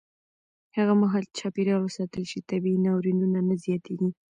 هغه مهال چې چاپېریال وساتل شي، طبیعي ناورینونه نه زیاتېږي.